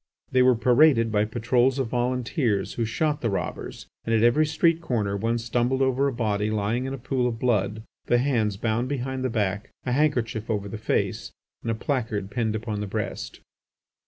The were paraded by patrols of volunteers who shot the robbers, and at every street corner one stumbled over a body lying in a pool of blood, the hands bound behind the back, a handkerchief over the face, and a placard pinned upon the breast.